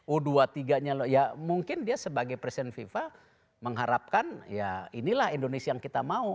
u dua puluh tiga nya ya mungkin dia sebagai presiden fifa mengharapkan ya inilah indonesia yang kita mau